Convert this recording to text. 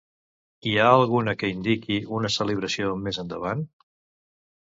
Hi ha alguna que indiqui una celebració més endavant?